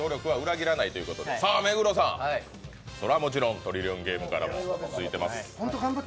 目黒さん、それはもちろん「トリリオンゲーム」からついています。